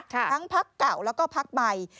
ทั้งภักดิ์เก่าแล้วก็ภักดิ์ใหม่